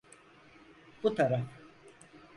Bu taraf.